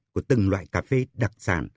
của từng loại cà phê đặc sản